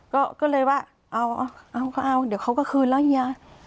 ก็เลยว่าเอาเอาก็เอาเดี๋ยวเขาก็คืนแล้วเฮีย